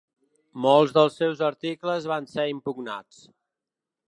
Molts dels seus articles van ser impugnats.